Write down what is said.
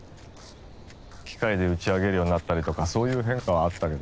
機械で打ち上げるようになったりとかそういう変化はあったけど。